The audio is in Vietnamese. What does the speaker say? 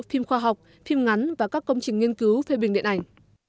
phim khoa học phim ngắn và các công trình nghiên cứu phê bình điện ảnh